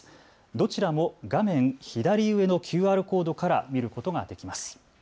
どちらも画面左上のＱＲコードから見ることができます。